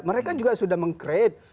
mereka juga sudah meng create